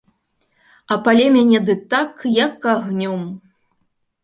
А пале мяне дык так, як агнём!